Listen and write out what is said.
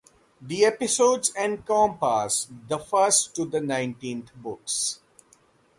The episodes encompass the first to the nineteenth books.